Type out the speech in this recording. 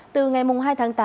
từ ngày hai tháng chín